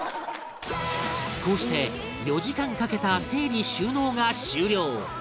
こうして４時間かけた整理収納が終了